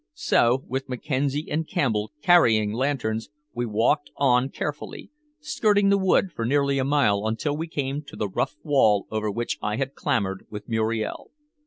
So, with Mackenzie and Campbell carrying lanterns, we walked on carefully, skirting the wood for nearly a mile until we came to the rough wall over which I had clambered with Muriel.